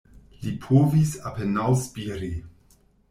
Li povis apenaŭ spiri.